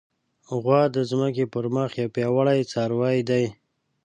غوا د ځمکې پر مخ یو پیاوړی څاروی دی.